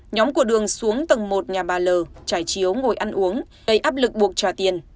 nhóm của đường xuống tầng một nhà bà l trải chiếu ngồi ăn uống gây áp lực buộc trả tiền